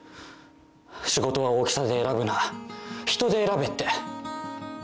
仕事は大きさで選ぶな人で選べって。